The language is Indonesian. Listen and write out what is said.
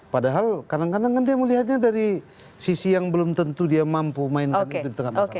padahal kadang kadang kan dia melihatnya dari sisi yang belum tentu dia mampu mainkan itu di tengah masyarakat